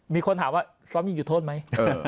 มีคนถามว่าซ้อมยิงจุดโทษไหม